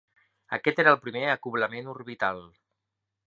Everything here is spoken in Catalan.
Aquest era el primer acoblament orbital.